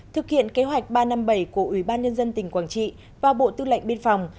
thực hiện kế hoạch ba trăm năm mươi bảy của ủy ban nhân dân tỉnh quảng trị và bộ tư lệnh biên phòng